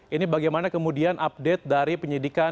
ini bagaimana kemudian update dari penyidikan